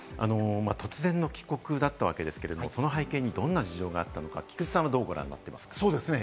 突然の帰国だったわけですけれど、その背景にどんな事情があったのか、菊地さんはどうご覧になりますか？